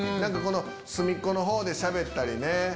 隅っこのほうでしゃべったりね